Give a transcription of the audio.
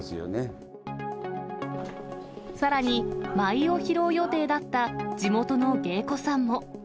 さらに、舞を披露予定だった地元の芸妓さんも。